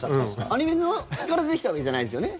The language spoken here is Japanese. アニメから出てきたわけじゃないですよね？